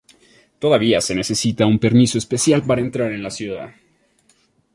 Todavía se necesita un permiso especial para entrar en la ciudad.